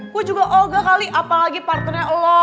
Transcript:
gue juga oga kali apalagi partnernya allah